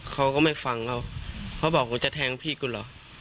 เขาก็ไม่ฟังเขาเขาบอกกูจะแทงพี่กูเหรอ